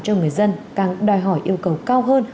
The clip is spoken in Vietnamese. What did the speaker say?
cho người dân càng đòi hỏi yêu cầu cao hơn